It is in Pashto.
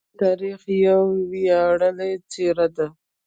مجاهد د تاریخ یوه ویاړلې څېره ده.